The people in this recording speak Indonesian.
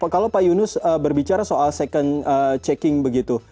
kalau pak yunus berbicara soal second checking begitu